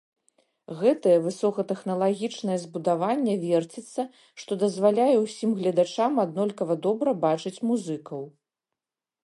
Гэтае высокатэхналагічнае збудаванне верціцца, што дазваляе ўсім гледачам аднолькава добра бачыць музыкаў.